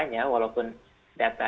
sedangkan kalau kita lihat datanya